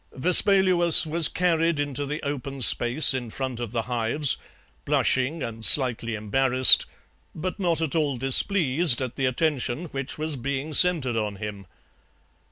Vespaluus was carried into the open space in front of the hives, blushing and slightly embarrassed, but not at all displeased at the attention which was being centred on him."